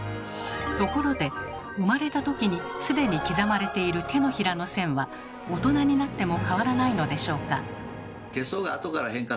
ところで生まれた時にすでに刻まれている手のひらの線は大人になっても変わらないのでしょうか？